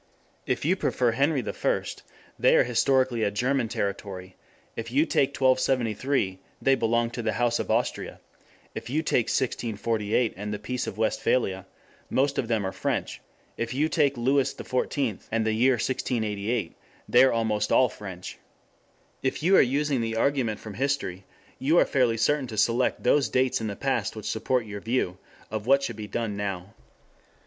If you prefer Henry I, they are historically a German territory; if you take 1273 they belong to the House of Austria; if you take 1648 and the Peace of Westphalia, most of them are French; if you take Louis XIV and the year 1688 they are almost all French. If you are using the argument from history you are fairly certain to select those dates in the past which support your view of what should be done now.